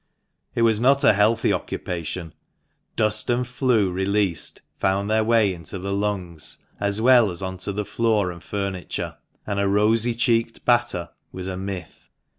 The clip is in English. It was not a healthy occupation : dust and flue released found their way into the lungs, as well as on to the floor and furniture ; and a rosy cheeked batter was a myth.